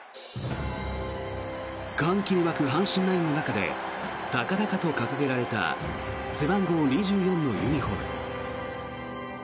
歓喜に沸く阪神の中で高々と掲げられた背番号２４のユニホーム。